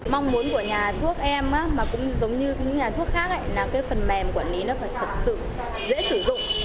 mong muốn của nhà thuốc em cũng giống như nhà thuốc khác là phần mềm quản lý nó phải thật sự dễ sử dụng